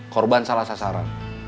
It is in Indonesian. korban salah sasaran